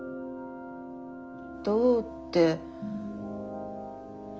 どうって。